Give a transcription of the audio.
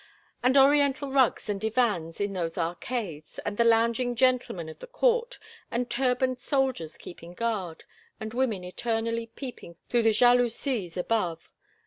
"And Oriental rugs and divans in those arcades, and the lounging gentlemen of the court, and turbaned soldiers keeping guard, and women eternally peeping through the jalousies above.